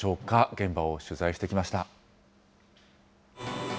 現場を取材してきました。